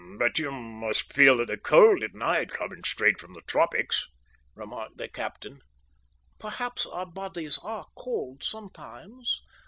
"But you must feel the cold at night, coming straight from the tropics," remarked the captain. "Perhaps our bodies are cold sometimes.